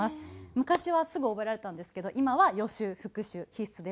昔はすぐ覚えられたんですけど今は予習復習必須です。